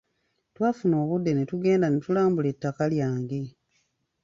Twafuna obudde ne tugenda ne tulambula ettaka lyange.